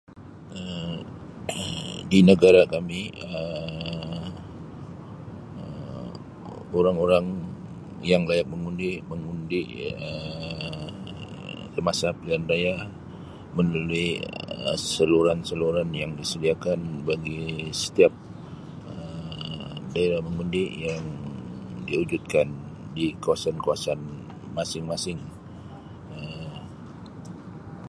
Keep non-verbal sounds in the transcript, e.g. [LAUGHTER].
Um [NOISE] Di negara kami Um orang-orang yang layak mengundi, mengundi Um semasa pilihanraya melalui Um saluran-saluran yang disediakan bagi setiap Um daerah mengundi yang diwujudkan di kawasan-kawasan masing-masing Um.